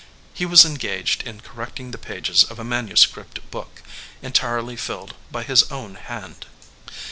He was engaged in correcting the pages of a manuscript book, entirely filled by his own hand.